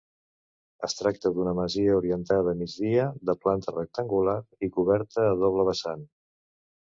Es tracta d'una masia orientada a migdia, de planta rectangular i coberta a doble vessant.